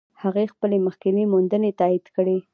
هغې خپلې مخکینۍ موندنې تایید کړې.